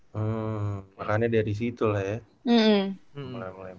hmm makannya dari situ lah ya